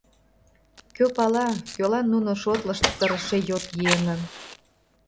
Кӧ пала, кӧлан нуно шотлышт сырыше йот еҥым.